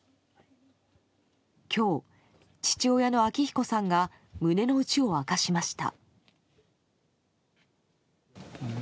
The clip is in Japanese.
今日、父親の明彦さんが胸の内を明かしました。